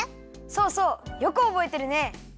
そうそう！よくおぼえてるね。